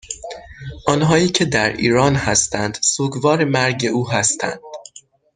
آنهایی که در ایران هستند سوگوار مرگ او هستند